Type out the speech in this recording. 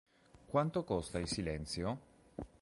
Quanto costa il silenzio?